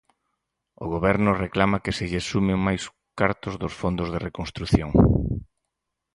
O Goberno reclama que se lles sumen máis cartos dos fondos de reconstrución.